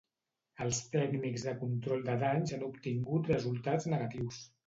Els tècnics de control de danys han obtingut resultats negatius.